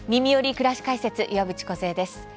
くらし解説」岩渕梢です。